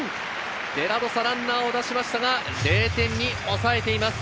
デラロサ、ランナーを出しましたが０点に抑えています。